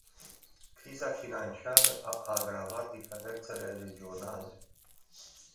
Criza financiară a agravat diferențele regionale.